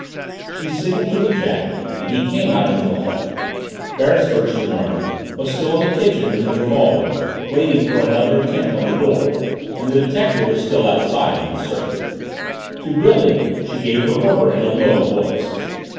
She signaled to the Jap and he came out into the hall. Beresford, she learned, was still in the kitchen with his revolver, waiting for another attempt on the door and the detective was still outside in his search. To Billy she gave her order in a low voice.